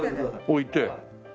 置いて。